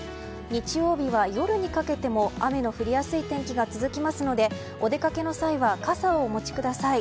日曜日は夜にかけても雨が降りやすい天気が続きますのでお出かけの際は傘をお持ちください。